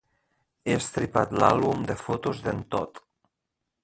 He estripat l'àlbum de fotos d'en Todd.